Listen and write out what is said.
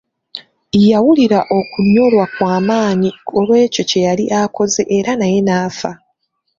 Yawulira okunyolwa kwa maanyi olw'ekyo kye yali akoze era naye n'afa.